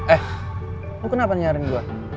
eh lo kenapa nyarin gue